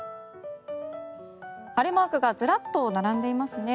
晴れマークがずらっと並んでいますね。